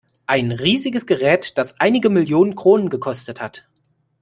Ein riesiges Gerät, das einige Millionen Kronen gekostet hat.